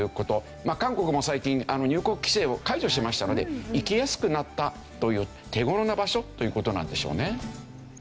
まあ韓国も最近入国規制を解除しましたので行きやすくなったという手頃な場所という事なんでしょうね。